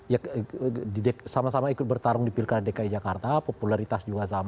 ya sama sama ikut bertarung di pilkada dki jakarta popularitas juga sama